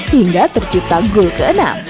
hingga tercipta gol ke enam